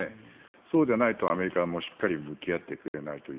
そうでないとアメリカもしっかりと向き合ってくれないという。